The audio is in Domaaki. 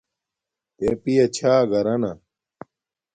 تے پیا چھا گھرانا